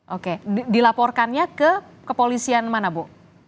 oke dilaporkannya ke kepolisian mana bu